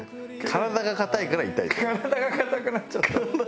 体が硬くなっちゃったの？